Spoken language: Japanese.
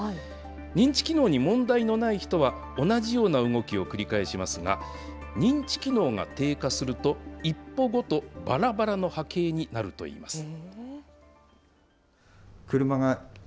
認知機能に問題のない人は、同じような動きを繰り返しますが、認知機能が低下すると、一歩ごと、ばらばらの波形になるといいます。